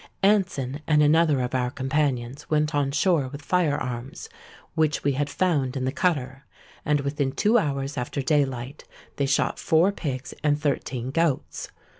Anson and another of our companions went on shore with fire arms, which we had found in the cutter; and within two hours after day light they shot four pigs and thirteen goats.